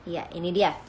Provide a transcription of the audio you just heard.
ya ini dia